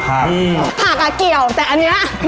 ผักอ่ะเกี่ยวแต่อันนี้